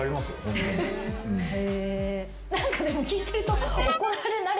何かでも聞いてると。